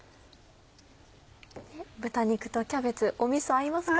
豚肉とキャベツみそ合いますからね。